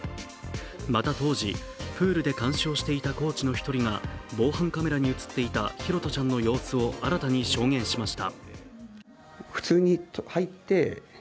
また当時、プールで監視をしていたコーチの１人が防犯カメラに映っていた拓杜ちゃんの様子を新たに証言しました。